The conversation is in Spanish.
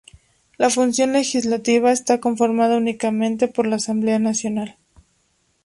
La función legislativa está conformada únicamente por la Asamblea Nacional.